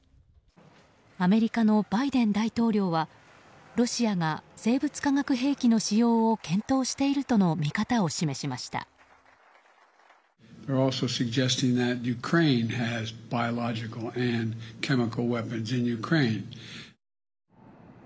アメリカのバイデン大統領はロシアが生物・化学兵器の使用を検討しているとの見方を示しました。